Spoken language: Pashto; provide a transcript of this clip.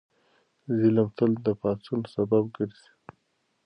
ظلم تل د پاڅون سبب ګرځي.